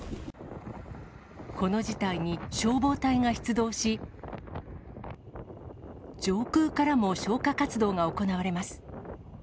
この事態に消防隊が出動し、上空からも消火活動が行われます。